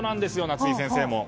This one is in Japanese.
夏井先生も。